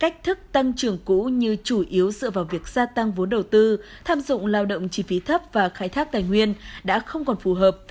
cũng như chủ yếu dựa vào việc gia tăng vốn đầu tư tham dụng lao động chi phí thấp và khai thác tài nguyên đã không còn phù hợp